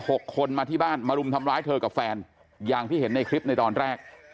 หกคนมาที่บ้านมารุมทำร้ายเธอกับแฟนอย่างที่เห็นในคลิปในตอนแรก